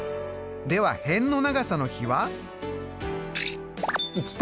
では辺の長さの比は？